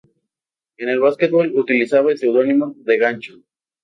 En el básquetbol utilizaba el seudónimo "D. Gancho".